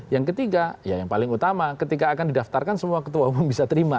yang ketiga ya yang paling utama ketika akan didaftarkan semua ketua umum bisa terima